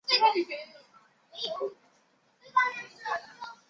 专辑中风中的承诺成为其代表作之一。